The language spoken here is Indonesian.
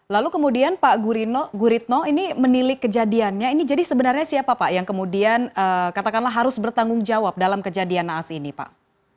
lalu kemudian pak guritno ini menilik kejadiannya ini jadi sebenarnya siapa pak yang kemudian katakanlah harus bertanggung jawab dalam kejadian naas ini pak